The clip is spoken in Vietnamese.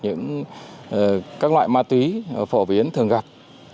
những các loại ma túy phổ biến thường gặp